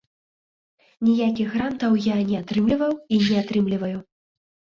Ніякіх грантаў я не атрымліваў і не атрымліваю.